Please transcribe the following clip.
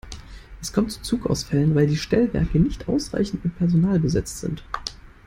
Es kommt zu Zugausfällen, weil die Stellwerke nicht ausreichend mit Personal besetzt sind.